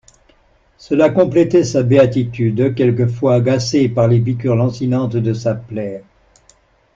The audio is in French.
Cela complétait sa béatitude, quelquefois agacée par les piqûres lancinantes de sa plaie.